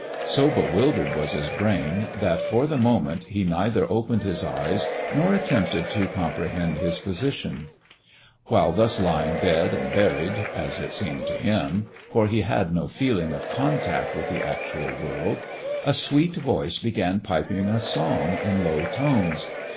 So bewildered was his brain, that for the moment he neither opened his eyes nor attempted to comprehend his position. While thus lying, dead and buried, as it seemed to him, for he had no feeling of contact with the actual world, a sweet voice began piping a song in low tones.